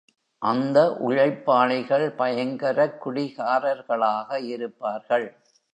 அந்த உழைப்பாளிகள், பயங்கரக் குடிகாரர்களாக இருப்பார்கள்.